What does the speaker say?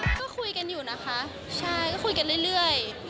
ก็คุยกันอยู่นะคะใช่ก็คุยกันเรื่อย